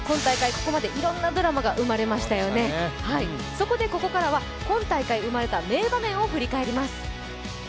そこでここからは今大会生まれた名場面を振り返ります。